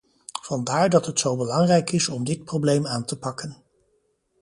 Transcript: Vandaar dat het zo belangrijk is om dit probleem aan te pakken.